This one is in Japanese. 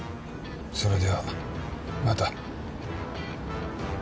それではまた。